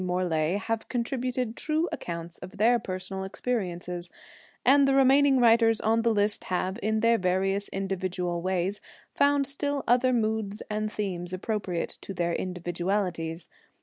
Morlae have contributed true accounts of their personal experiences; and the remaining writers on the list have, in their various individual ways, found still other moods and themes appropriate to their individualities.